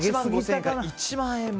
１万円も。